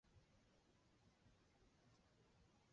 隐棘真缘吸虫为棘口科真缘属的动物。